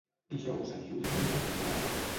Dijous en Julià anirà a Premià de Dalt.